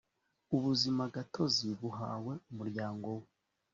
ubuzimagatozi buhawe umuryango wawe